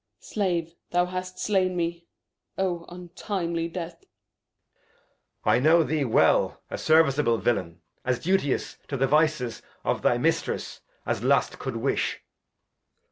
Gent. Slave, thou hast slain me ; oh, untimely Death ! Edg. I know thee well, a serviceable Villain, As duteous to the Vices of thy Mistress, As Lust cou'd wish.